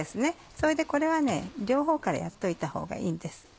それでこれは両方からやっといたほうがいいんです。